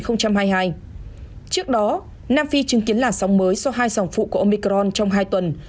trước đó nam phi chứng kiến làn sóng mới so với hai dòng phụ của omicron trong hai tuần